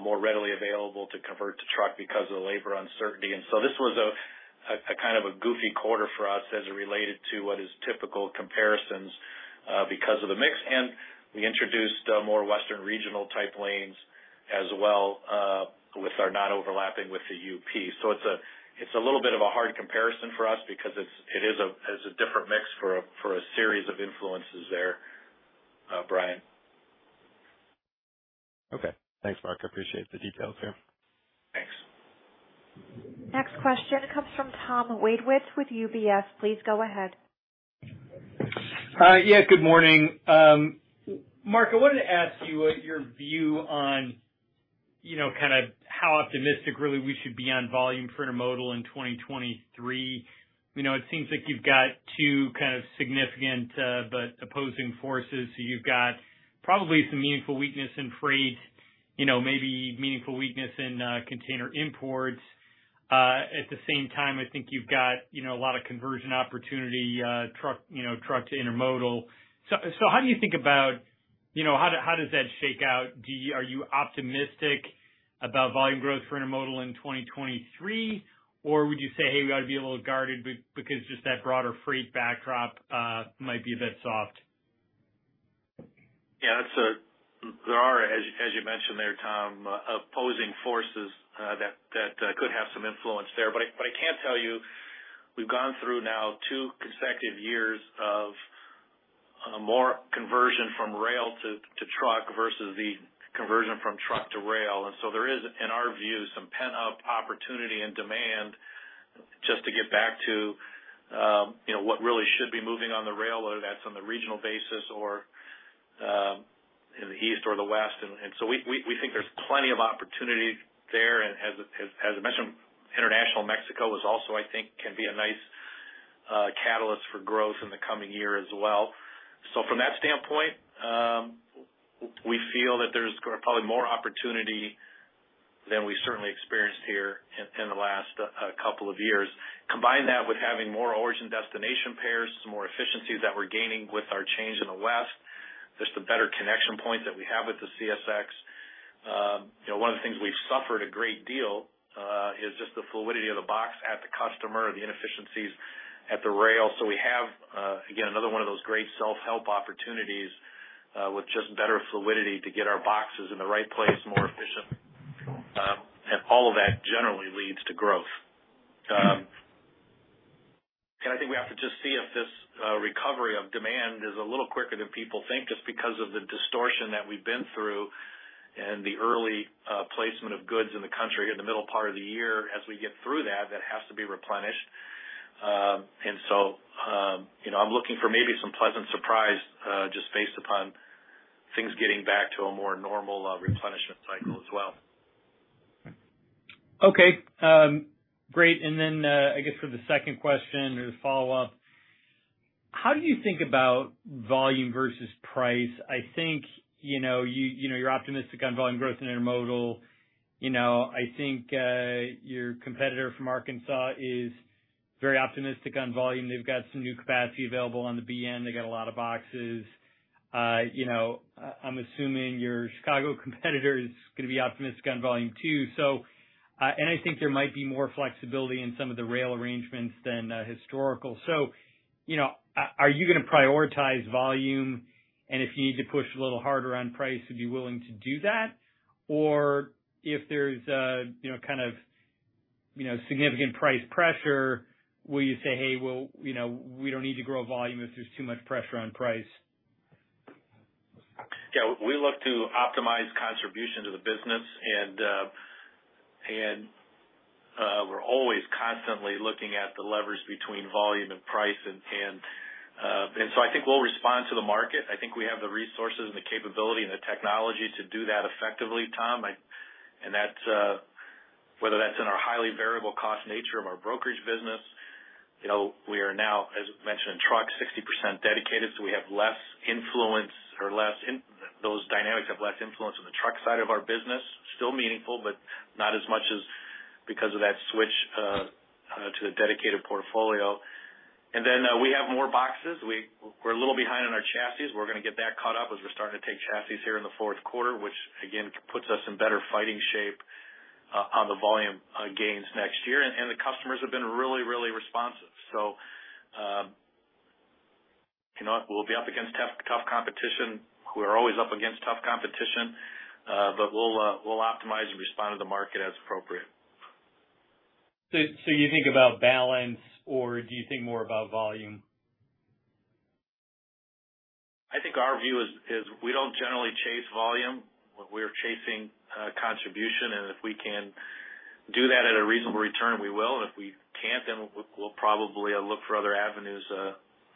more readily available to convert to truck because of the labor uncertainty. This was a kind of a goofy quarter for us as it related to what is typical comparisons because of the mix. We introduced a more Western regional type lanes as well, with ours not overlapping with the UP. It's a little bit of a hard comparison for us because it's a different mix for a series of influences there, Brian. Okay. Thanks, Mark. I appreciate the details here. Thanks. Next question comes from Tom Wadewitz with UBS. Please go ahead. Hi. Yeah, good morning. Mark, I wanted to ask you your view on, you know, kind of how optimistic really we should be on volume for intermodal in 2023. You know, it seems like you've got two kind of significant but opposing forces. You've got probably some meaningful weakness in freight, you know, maybe meaningful weakness in container imports. At the same time, I think you've got, you know, a lot of conversion opportunity, truck to intermodal. How do you think about how that shakes out? Are you optimistic about volume growth for intermodal in 2023, or would you say, "Hey, we ought to be a little guarded because just that broader freight backdrop might be a bit soft"? There are, as you mentioned there, Tom, opposing forces that could have some influence there. I can tell you, we've gone through now two consecutive years of more conversion from rail to truck versus the conversion from truck to rail. There is, in our view, some pent-up opportunity and demand just to get back to, you know, what really should be moving on the rail, whether that's on the regional basis or in the East or the West. We think there's plenty of opportunity there. As I mentioned, international Mexico is also, I think, a nice catalyst for growth in the coming year as well. From that standpoint, we feel that there's probably more opportunity than we certainly experienced here in the last couple of years. Combine that with having more origin destination pairs, more efficiencies that we're gaining with our change in the West, just the better connection points that we have with the CSX. You know, one of the things we've suffered a great deal is just the fluidity of the box at the customer, the inefficiencies at the rail. We have again another one of those great self-help opportunities with just better fluidity to get our boxes in the right place, more efficient. All of that generally leads to growth. I think we have to just see if this recovery of demand is a little quicker than people think, just because of the distortion that we've been through and the early placement of goods in the country in the middle part of the year. As we get through that has to be replenished. You know, I'm looking for maybe some pleasant surprise, just based upon things getting back to a more normal replenishment cycle as well. Okay. Great. I guess for the second question or the follow-up, how do you think about volume versus price? I think, you know, you're optimistic on volume growth in intermodal. You know, I think your competitor from Arkansas is very optimistic on volume. They've got some new capacity available on the BN. They've got a lot of boxes. You know, I'm assuming your Chicago competitor is gonna be optimistic on volume too. I think there might be more flexibility in some of the rail arrangements than historical. You know, are you gonna prioritize volume? And if you need to push a little harder on price, would you be willing to do that? If there's a, you know, kind of, you know, significant price pressure, will you say, "Hey, well, you know, we don't need to grow volume if there's too much pressure on price"? Yeah. We look to optimize contribution to the business, and we're always constantly looking at the leverage between volume and price. I think we'll respond to the market. I think we have the resources and the capability and the technology to do that effectively, Tom. That's whether that's in our highly variable cost nature of our brokerage business. You know, we are now, as mentioned in truck, 60% dedicated, so we have less influence on the truck side of our business. Still meaningful, but not as much as because of that switch to the dedicated portfolio. We have more boxes. We're a little behind on our chassis. We're gonna get that caught up as we're starting to take chassis here in the Q4, which again puts us in better fighting shape on the volume gains next year. The customers have been really responsive. You know, we'll be up against tough competition. We're always up against tough competition, but we'll optimize and respond to the market as appropriate. You think about balance or do you think more about volume? I think our view is we don't generally chase volume. We're chasing contribution, and if we can do that at a reasonable return, we will. If we can't, then we'll probably look for other avenues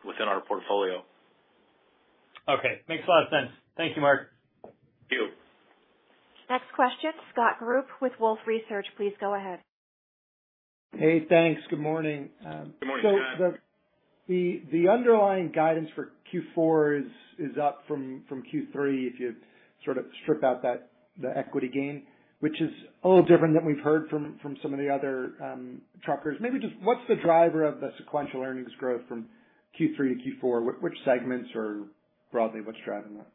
within our portfolio. Okay. Makes a lot of sense. Thank you, Mark. Thank you. Next question, Scott Group with Wolfe Research, please go ahead. Hey, thanks. Good morning. Good morning, Scott. The underlying guidance for Q4 is up from Q3 if you sort of strip out the equity gain, which is a little different than we've heard from some of the other truckers. Maybe just what's the driver of the sequential earnings growth from Q3 to Q4? Broadly, what's driving that?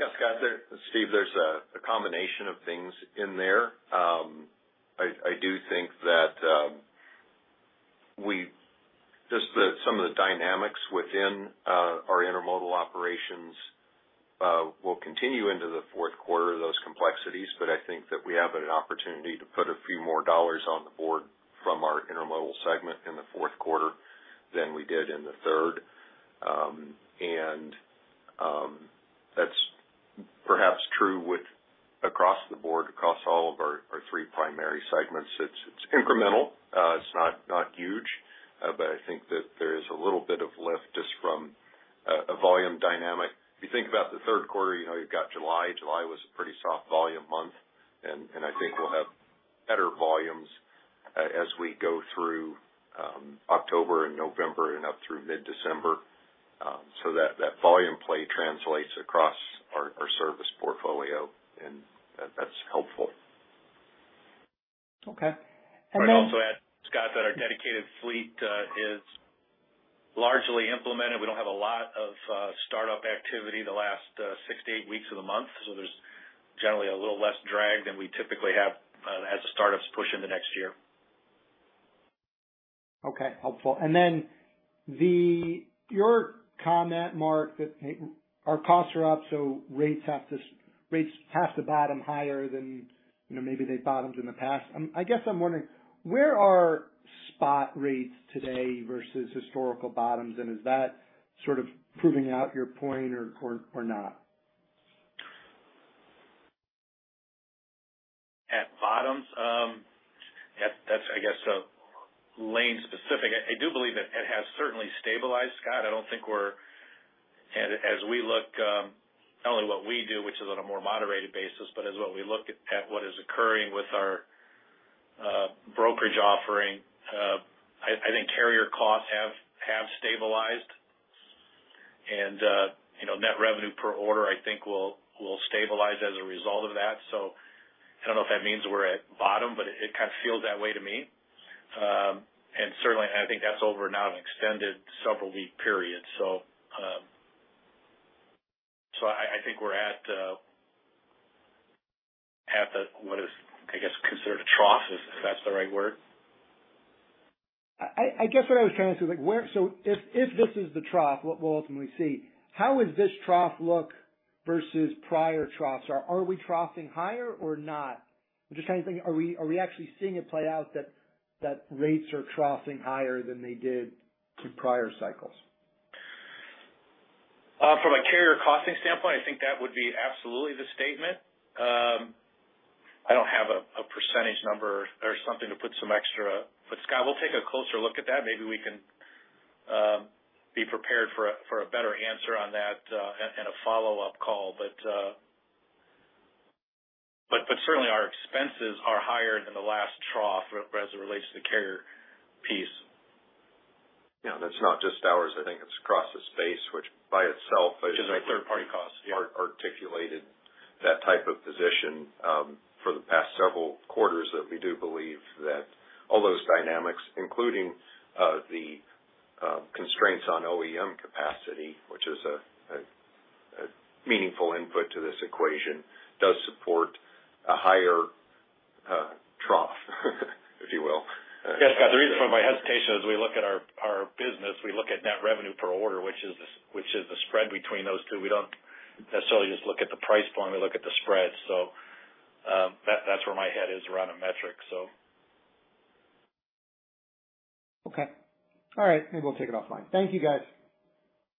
Yeah, Scott, Steve, there's a combination of things in there. I do think that some of the dynamics within our intermodal operations will continue into the Q4, those complexities, but I think that we have an opportunity to put a few more dollars on the board from our intermodal segment in the Q4 than we did in the third. And that's perhaps true across the board, across all of our three primary segments. It's incremental. It's not huge. But I think that there is a little bit of lift just from a volume dynamic. If you think about the Q3, you know, you've got July. July was a pretty soft volume month, and I think we'll have better volumes as we go through October and November and up through mid-December. That volume play translates across our service portfolio, and that's helpful. Okay. I'd also add, Scott, that our dedicated fleet is largely implemented. We don't have a lot of startup activity the last six to eight weeks of the month. There's generally a little less drag than we typically have as the startups push into next year. Okay. Helpful. Your comment, Mark, that our costs are up, so rates have to bottom higher than, you know, maybe they bottomed in the past. I guess I'm wondering where are spot rates today versus historical bottoms? Is that sort of proving out your point or not? At bottom, yeah, that's, I guess, lane specific. I do believe it has certainly stabilized, Scott. As we look not only what we do, which is on a more moderated basis, but as we look at what is occurring with our brokerage offering, I think carrier costs have stabilized. You know, net revenue per order I think will stabilize as a result of that. I don't know if that means we're at bottom, but it kind of feels that way to me. Certainly, I think that's over now an extended several-week period. I think we're at what is, I guess, considered a trough, if that's the right word. I guess what I was trying to say is like, so if this is the trough, what we'll ultimately see, how is this trough look versus prior troughs? Are we troughing higher or not? I'm just trying to think, are we actually seeing it play out that rates are troughing higher than they did through prior cycles? From a carrier costing standpoint, I think that would be absolutely the statement. I don't have a percentage number or something to put some extra, but Scott, we'll take a closer look at that. Maybe we can be prepared for a better answer on that at a follow-up call. Certainly our expenses are higher than the last trough as it relates to the carrier piece. Yeah. That's not just ours. I think it's across the space, which by itself. Which is our third-party costs. Yeah. articulated that type of position for the past several quarters, that we do believe that all those dynamics, including the constraints on OEM capacity, which is a meaningful input to this equation, does support a higher trough, if you will. Yes. The reason for my hesitation as we look at our business, we look at net revenue per order, which is the spread between those two. We don't necessarily just look at the price point, we look at the spread. That's where my head is around a metric. Okay. All right. Maybe we'll take it offline. Thank you, guys.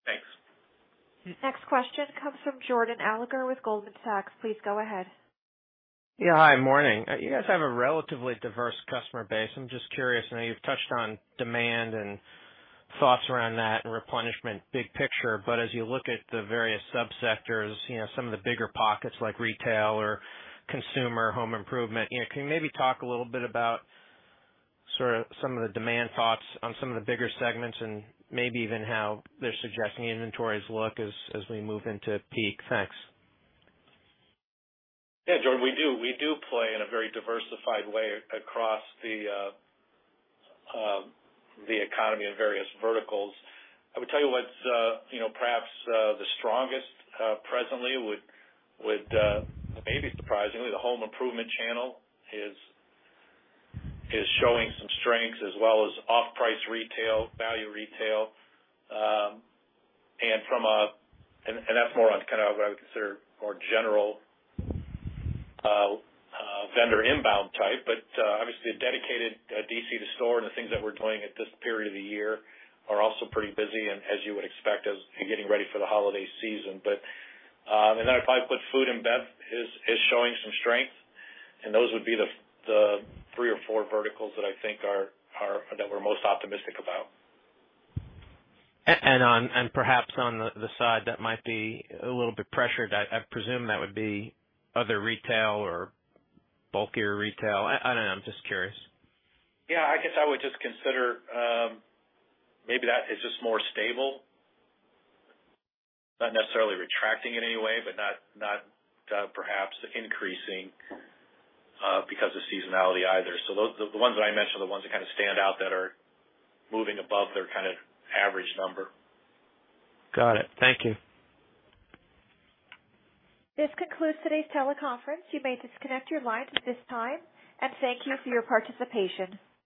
Thanks. Next question comes from Jordan Alliger with Goldman Sachs. Please go ahead. Yeah. Hi. Morning. You guys have a relatively diverse customer base. I'm just curious. I know you've touched on demand and thoughts around that and replenishment big picture, but as you look at the various subsectors, you know, some of the bigger pockets like retail or consumer, home improvement, you know, can you maybe talk a little bit about sort of some of the demand thoughts on some of the bigger segments and maybe even how they're suggesting inventories look as we move into peak? Thanks. Yeah, Jordan, we do play in a very diversified way across the economy in various verticals. I would tell you what's, you know, perhaps the strongest presently with maybe surprisingly, the home improvement channel is showing some strengths as well as off-price retail, value retail. That's more on kind of what I would consider more general vendor inbound type. Obviously the dedicated DC to store and the things that we're doing at this period of the year are also pretty busy and as you would expect as getting ready for the holiday season. If I put food and bev is showing some strength, and those would be the three or four verticals that I think are that we're most optimistic about. Perhaps on the side that might be a little bit pressured, I don't know. I'm just curious. Yeah, I guess I would just consider maybe that is just more stable, not necessarily retracting in any way, but not perhaps increasing because of seasonality either. Those are the ones that I mentioned, the ones that kind of stand out, that are moving above their kind of average number. Got it. Thank you. This concludes today's teleconference. You may disconnect your lines at this time and thank you for your participation.